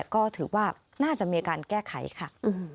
ก็ถือว่าน่าจะมีการแก้ไขค่ะ